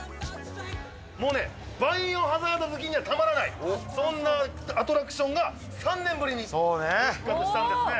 もうね、バイオハザード好きにはたまらない、そんなアトラクションが３年ぶりに復活したんですね。